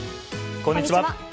こんにちは。